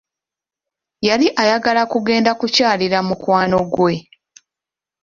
Yali ayagala kugenda kukyalira mukwano gwe.